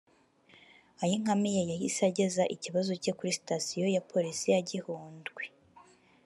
Ayinkamiye yahise ageza ikibazo cye kuri sitasiyo ya Polisi ya Gihundwe